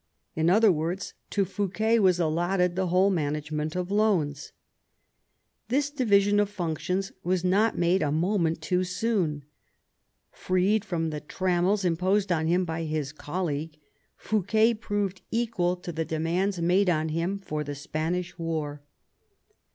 In other words, to Fouquet was allotted the whole management of loans. This division of functions was not made a moment too soon. Freed from the trammels imposed on him by his colleague, Fouquet proved equal to the demands made on him for the Spanish war.